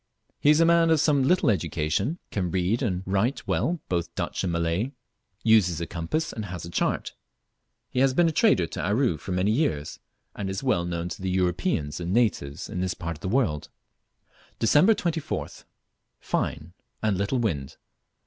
He is a man of some little education, can read and write well both Dutch and Malay, uses a compass, and has a chart. He has been a trader to Aru for many years, and is well known to both Europeans and natives in this part of the world. Dec. 24th. Fine, and little wind.